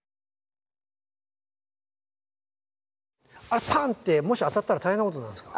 あれパンッてもし当たったら大変なことになるんですか？